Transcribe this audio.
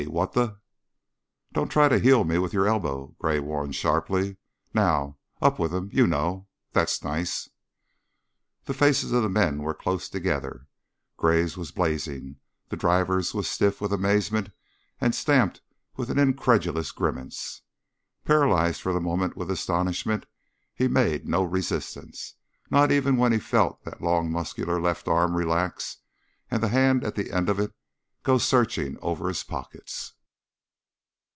What the ?" "Don't try to 'heel' me with your elbow," Gray warned, sharply. "Now, up with 'em you know. That's nice." The faces of the men were close together. Gray's was blazing, the driver's was stiff with amazement and stamped with an incredulous grimace. Paralyzed for the moment with astonishment, he made no resistance, not even when he felt that long muscular left arm relax and the hand at the end of it go searching over his pockets.